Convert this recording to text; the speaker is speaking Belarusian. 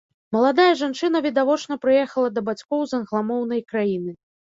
Маладая жанчына, відавочна, прыехала да бацькоў з англамоўнай краіны.